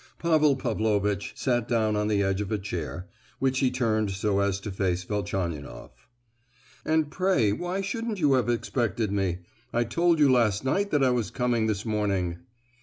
Pavel Pavlovitch sat down on the edge of a chair, which he turned so as to face Velchaninoff. "And pray why shouldn't you have expected me? I told you last night that I was coming this morning!"